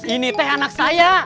ini teh anak saya